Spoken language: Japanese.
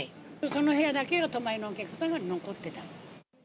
その部屋だけは泊まりのお客さんが残ってた。